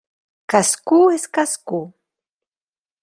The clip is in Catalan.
Cascú és cascú.